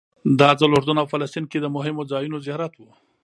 دا ځل اردن او فلسطین کې د مهمو ځایونو زیارت و.